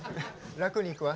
楽にいくわ。